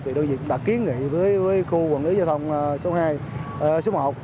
thì đơn vị cũng đã kiến nghị với khu quản lý giao thông số một